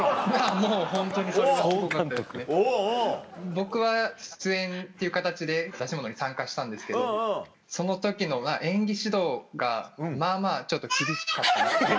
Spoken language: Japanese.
僕は出演っていう形で出し物に参加したんですけどその時の演技指導がまぁまぁちょっと厳しかったなっていう。